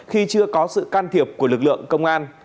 khi chưa có sự can thiệp của lực lượng công an